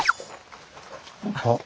あっ。